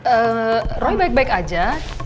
eh romy baik baik aja